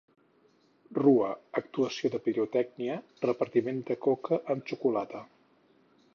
Rua, actuació de pirotècnica, repartiment de coca amb xocolata.